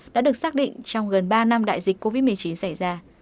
đã được xác định trong gần ba năm đại dịch covid một mươi chín xảy ra